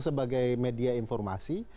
sebagai media informasi